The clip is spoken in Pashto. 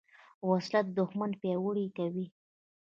وسله د دوښمن پیاوړي کوي